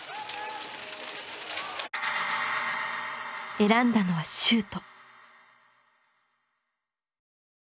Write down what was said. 選んだのはシュート。